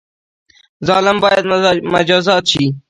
ظالم باید مجازات شي